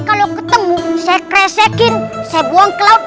kalau ketemu saya kresekin saya buang ke laut